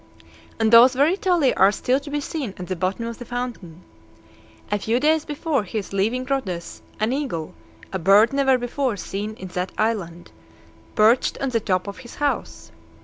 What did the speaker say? And those very tali are still to be seen at the bottom of the fountain. A few days before his leaving Rhodes, an eagle, a bird never before seen in that island, perched on the top of his house.